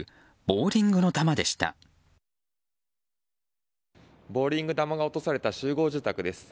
ボウリング球が落とされた集合住宅です。